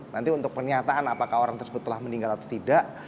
nanti untuk pernyataan apakah orang tersebut telah meninggal atau tidak